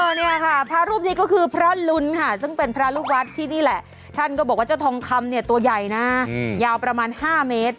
เนี่ยค่ะพระรูปนี้ก็คือพระลุ้นค่ะซึ่งเป็นพระลูกวัดที่นี่แหละท่านก็บอกว่าเจ้าทองคำเนี่ยตัวใหญ่นะยาวประมาณ๕เมตร